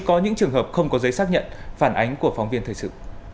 có những trường hợp không có giấy xác nhận phản ánh của phóng viên thời sự